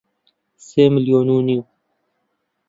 سێ ملیۆن و نیو